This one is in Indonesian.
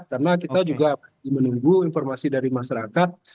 karena kita juga menunggu informasi dari masyarakat